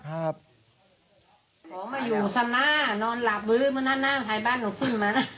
ขอมาอยู่สำนาค์นอนหลับหลายบ้านหนูขึ้นมา